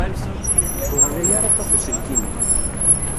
Ur ɣlay ara aṭas uselkim-a.